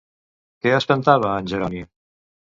Què espentava a en Jeroni?